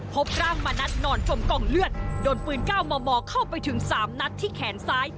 พบร่างมณัฐนอนจมกองเลือดโดนปืน๙มมเข้าไปถึง๓นัดที่แขนซ้าย